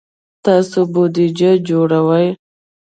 تاسو بودیجه جوړوئ؟